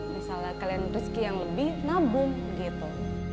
misalnya kalian rezeki yang lebih nabung gitu